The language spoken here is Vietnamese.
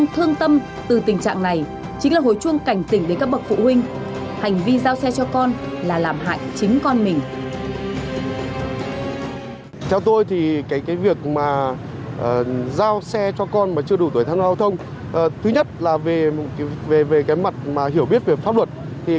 thứ nhất là về cái mặt mà hiểu biết về pháp luật